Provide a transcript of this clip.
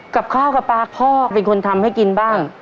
กับข้าวกับปลาพ่อเป็นคนทำให้กินบ้าง